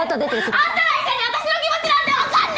あんたら医者に私の気持ちなんてわかんねえよ！